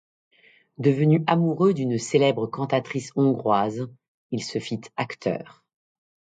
Devenu amoureux d’une célèbre cantatrice hongroise, il se fit acteur.